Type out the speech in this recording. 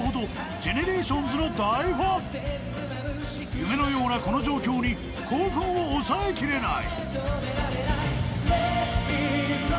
［夢のようなこの状況に興奮を抑え切れない］